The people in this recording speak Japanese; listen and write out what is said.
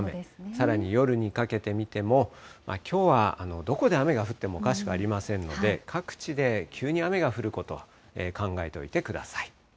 さらに夜にかけてみても、きょうはどこで雨が降ってもおかしくありませんので、各地で急に雨が降ることは考えておいてください。